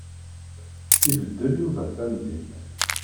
Ibeddel Yuba tamdint.